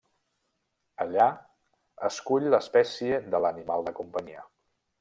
Allà, escull l'espècie de l'animal de companyia.